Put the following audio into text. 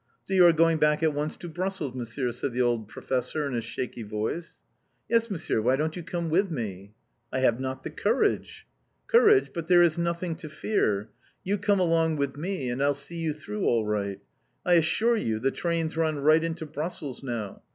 "So you are going back at once to Brussels, Monsieur?" said the old professor in his shaky voice. "Yes, Monsieur! Why don't you come with me?" "I have not the courage!" "Courage! But there is nothing to fear! You come along with me, and I'll see you through all right. I assure you the trains run right into Brussels now.